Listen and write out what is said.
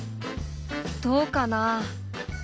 どうかな？